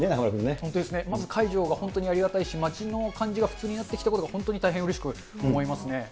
本当ですね、まず解除が本当にありがたいですし、街の感じが普通になってきたことが、本当に大変うれしく思いますね。